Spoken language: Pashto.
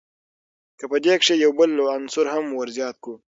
که په دې کښي یو بل عنصر هم ور زیات کو.